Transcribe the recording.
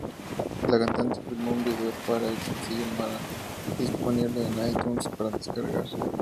La cantante filmó un video para el sencillo "Mala", disponible en iTunes para descargar.